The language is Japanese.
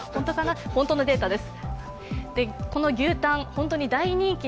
本当のデータです。